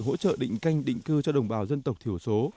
hỗ trợ định canh định cư cho đồng bào dân tộc thiểu số